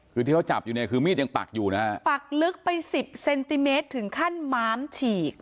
คือที่เขาจับอยู่เนี่ยคือมีดยังปักอยู่นะฮะปักลึกไปสิบเซนติเมตรถึงขั้นม้ามฉีก